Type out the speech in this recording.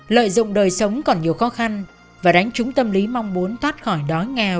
lợi dụng đời sống còn nhiều khó khăn và đánh trúng tâm lý mong muốn thoát khỏi đói nghèo